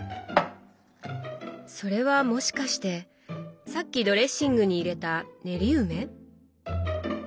それはもしかしてさっきドレッシングに入れた練り梅？